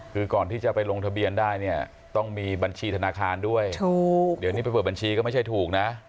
คือก่อนที่จะไปลงทะเบียนได้เนี่ยต้องมีบัญชีธนาคารด้วยถูกเดี๋ยวนี้ไปเปิดบัญชีก็ไม่ใช่ถูกนะ